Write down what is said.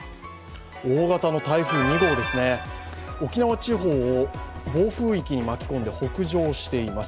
大型の台風２号ですね、沖縄地方を暴風域に巻き込んで北上しています。